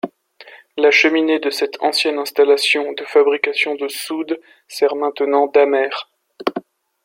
La cheminée de cette ancienne installation de fabrication de soude sert maintenant d'amer.